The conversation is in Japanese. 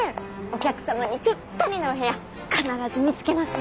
お客様にぴったりのお部屋必ず見つけます。